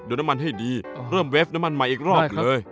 น้ำมันให้ดีเพิ่มเวฟน้ำมันใหม่อีกรอบเลย